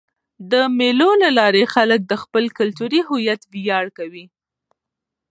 د مېلو له لاري خلک د خپل کلتوري هویت ویاړ کوي.